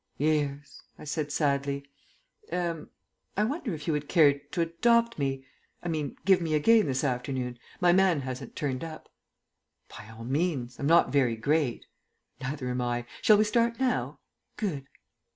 "Years," I said sadly. "Er I wonder if you would care to adopt me I mean, give me a game this afternoon. My man hasn't turned up." "By all means. I'm not very great." "Neither am I. Shall we start now? Good."